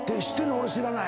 俺知らない。